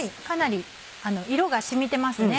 かなり色が染みてます。